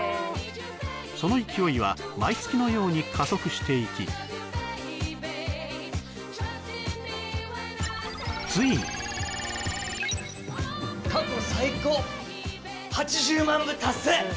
その勢いは毎月のように加速していきついに過去最高８０万部達成！